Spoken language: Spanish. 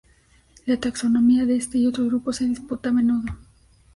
La taxonomía de este y otros grupos se disputa a menudo.